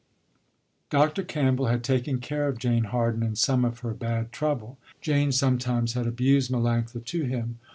Dr. Campbell had taken care of Jane Harden in some of her bad trouble. Jane sometimes had abused Melanctha to him.